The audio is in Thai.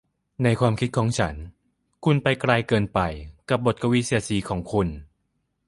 ในความคิดของฉันคุณไปไกลเกินไปกับบทกวีเสียดสีของคุณ